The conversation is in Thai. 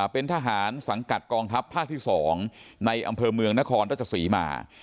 เป็นทหารสังกัดกองทัพภาคที่๒ในอำเภอเมืองนครราชศรีมา